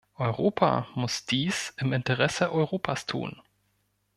Europa muss dies im Interesse Europas tun.